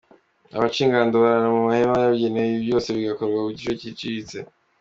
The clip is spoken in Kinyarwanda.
Abaca ingando barara mu mahema yabugenewe, ibi byose bigakorwa ku giciro giciriritse.